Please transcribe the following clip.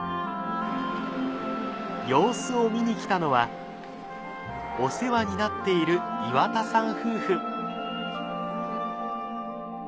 様子を見に来たのはお世話になっている岩田さん夫婦。